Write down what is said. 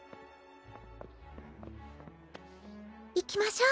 行きましょう。